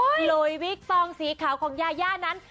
อุรอยวิกจรองซีขาวของยานั้น